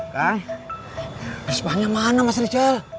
kang pesepahnya mana mas rijal